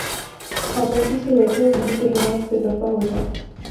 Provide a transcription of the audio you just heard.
خاموشی سے بیٹھو نہیں تو یہاں سے دفعہ ہو جاؤ